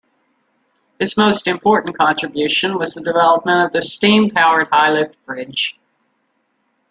His most important contribution was the development of the steam-powered high-lift bridge.